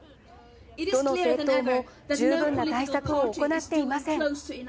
どの政党も十分な対策を行っていません。